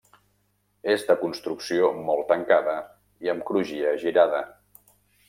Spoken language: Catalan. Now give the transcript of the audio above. És de construcció molt tancada i amb crugia girada.